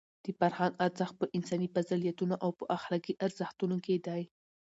د فرهنګ ارزښت په انساني فضیلتونو او په اخلاقي ارزښتونو کې دی.